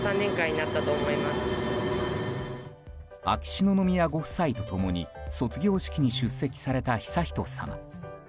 秋篠宮ご夫妻と共に卒業式に出席された悠仁さま。